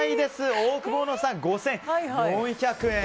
オオクボーノさん、５４００円。